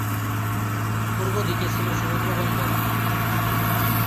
পূর্বদিকে ছিল সমুদ্রবন্দর।